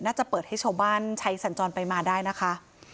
จะเปิดให้ชาวบ้านใช้สัญจรไปมาได้นะคะ